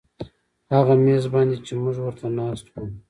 هغه میز باندې چې موږ ورته ناست وو